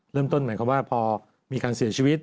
เริ่มต้นหมายความว่าพอมีการเสียชีวิต